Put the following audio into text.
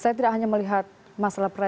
saya tidak hanya melihat masalah